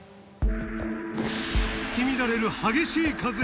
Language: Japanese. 吹き乱れる激しい風